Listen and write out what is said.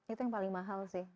itu yang paling mahal sih